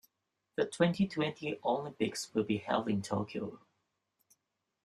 The twenty-twenty Olympics will be held in Tokyo.